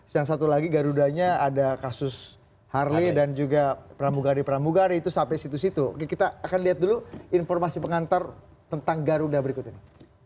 yang satu lagi garudanya ada kasus harley dan juga pramugari pramugari itu sampai situ situ kita akan lihat dulu informasi pengantar tentang garuda berikut ini